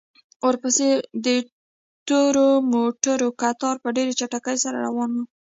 ورپسې د تورو موټرو کتار په ډېرې چټکۍ سره روان و.